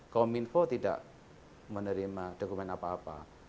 kominfo tidak menerima dokumen apa apa